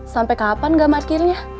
sampai kapan nggak parkirnya